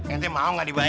ente mau gak dibayar